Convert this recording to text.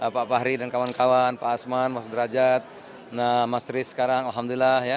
pak fahri dan kawan kawan pak asman mas derajat nah mas tris sekarang alhamdulillah ya